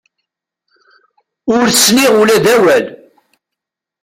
Ur sliɣ ula d awal.